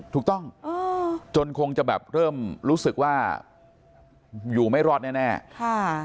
ถูกต้องจนคงจะแบบเริ่มรู้สึกว่าอยู่ไม่รอดแน่แน่ค่ะ